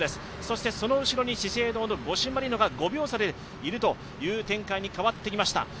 そして、その後ろに資生堂の五島莉乃が５秒差でいるという展開に変わってきました。